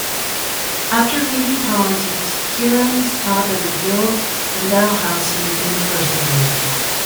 After leaving politics, Kierans taught at McGill and Dalhousie University.